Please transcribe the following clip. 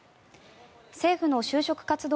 政府の就職活動